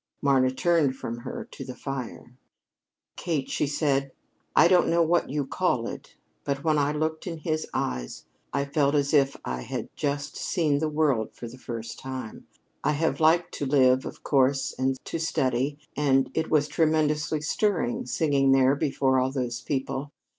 Marna turned from her to the fire. "Kate," she said, "I don't know what you call it, but when I looked in his eyes I felt as if I had just seen the world for the first time. I have liked to live, of course, and to study, and it was tremendously stirring, singing there before all those people.